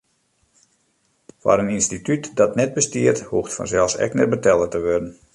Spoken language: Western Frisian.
Foar in ynstitút dat net bestiet, hoecht fansels ek net betelle te wurden.